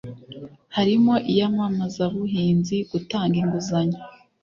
harimo iyamamazabuhinzi, gutanga inguzanyo,